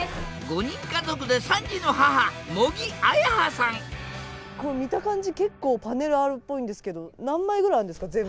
５人家族で３児の母茂木文葉さん見た感じ結構パネルあるっぽいんですけど何枚ぐらいあるんですか？